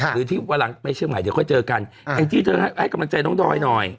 หรือวันหลังถึงเชียงใหม่ก็เจอกันงั้นจิ๊วจะให้กำลังใจน้องดอยหน่อย